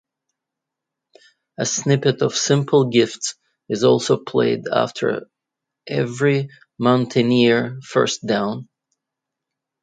A snippet of Simple Gifts is also played after every Mountaineer first down.